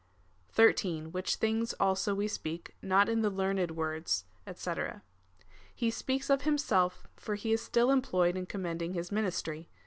13. Which things also we speak, not in the learned words, he. He speaks of himself, for he is still employed in com mending his ministry.